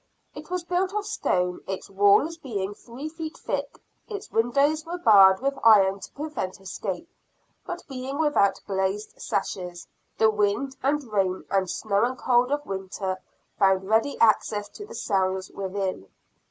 It was built of stone, its walls being three feet thick. Its windows were barred with iron to prevent escape; but being without glazed sashes, the wind and rain and snow and cold of winter found ready access to the cells within.